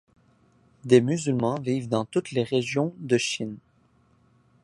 Des musulmans vivent dans toutes les régions de Chine.